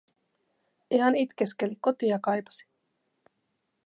Ihan itkeskeli, kotia kaipasi.